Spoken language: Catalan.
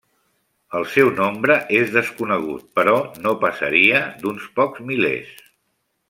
El seu nombre és desconegut però no passaria d'uns pocs milers.